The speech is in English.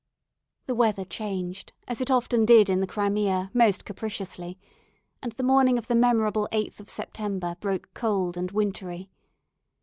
The weather changed, as it often did in the Crimea, most capriciously; and the morning of the memorable 8th of September broke cold and wintry.